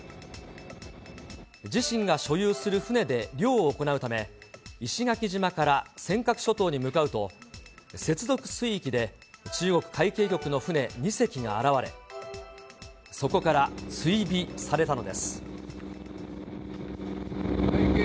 自身が所有する船で漁を行うため、石垣島から尖閣諸島に向かうと、接続水域で中国海警局の船２隻が現れ、そこから追尾されたのです。